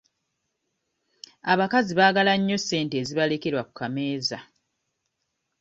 Abakazi baagala nnyo ssente ezibalekerwa ku kameeza.